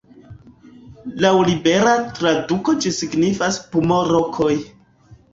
Laŭ libera traduko ĝi signifas "pumo-rokoj".